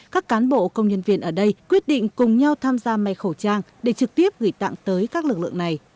các cán bộ công nhân viên ở đây quyết định cùng nhau tham gia mây khẩu trang để trực tiếp gửi tặng tới các lực lượng này